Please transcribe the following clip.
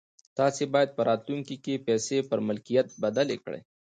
تاسې بايد په راتلونکي کې پيسې پر ملکيت بدلې کړئ.